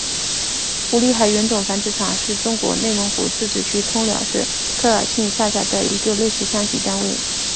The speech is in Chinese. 胡力海原种繁殖场是中国内蒙古自治区通辽市科尔沁区下辖的一个类似乡级单位。